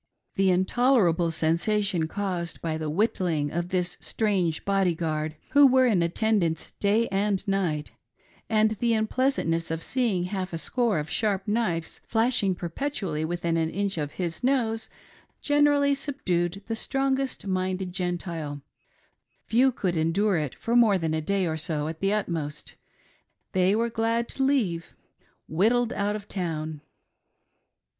The intolerable sensation caused by the " whittling " of this strange body guard — who were in attendance day and night — and the unpleasantness of seeing half a score of sharp knives flashing perpetually within an inch of his nose generally sub dued the strongest minded Gentile — few could endure it for more than a day or so at the utmost : they were glad to leave —" Whittled out of the town